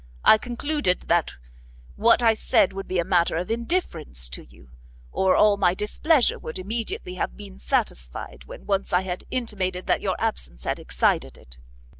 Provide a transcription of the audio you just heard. I concluded that what I said would be a matter of indifference to you, or all my displeasure would immediately have been satisfied, when once I had intimated that your absence had excited it."